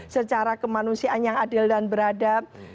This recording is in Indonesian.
secara kemanusiaan yang adil dan beradab